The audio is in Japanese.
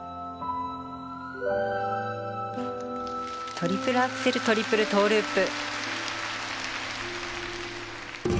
トリプルアクセルトリプルトウループ。